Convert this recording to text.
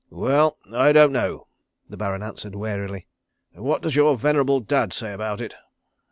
"Well, I don't know," the Baron answered, warily. "What does your venerable Dad say about it?"